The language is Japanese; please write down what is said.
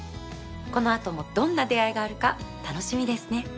この後もどんな出逢いがあるか楽しみですね。